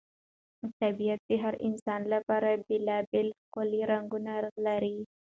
طبیعت د هر انسان لپاره بېلابېل ښکلي رنګونه لري.